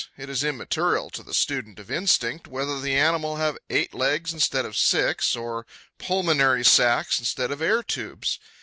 It is immaterial to the student of instinct whether the animal have eight legs instead of six, or pulmonary sacs instead of air tubes.